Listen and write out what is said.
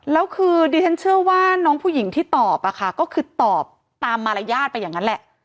แล้วคือดิฉันเชื่อว่าน้องผู้หญิงที่ตอบอะค่ะก็คือตอบตามมารยาทไปอย่างนั้นแหละ